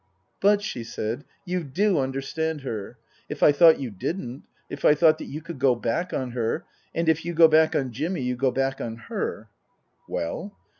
" But," she said, " you do understand her. If I thought you didn't if I thought that you could go back on her and if you go back on Jimmy you go back on her " Well